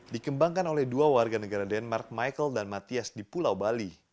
dikembangkan oleh dua warga negara denmark michael dan matias di pulau bali